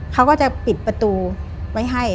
เขาก็จะปิดประตูไว้ให้